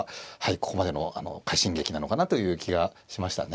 ここまでの快進撃なのかなという気がしましたね。